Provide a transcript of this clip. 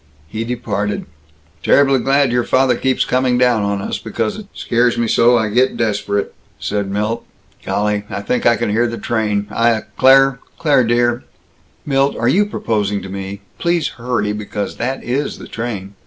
He departed. "Terribly glad your father keeps coming down on us, because it scares me so I get desperate," said Milt. "Golly, I think I can hear the train. I, uh, Claire, Claire dear " "Milt, are you proposing to me? Please hurry, because that is the train.